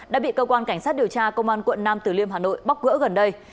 đã bị cơ quan cảnh sát điều tra công an quận nam tử liêm hà nội bóc gỡ gần đây